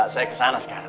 saya kesana sekarang